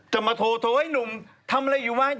จะมาโทรโทรไอ้หนุ่มทำอะไรอยู่บ้าง